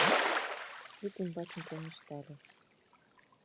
Вӱд ӱмбачын чоҥештале